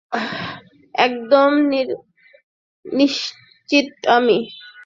একদম নিশ্চিত আমি।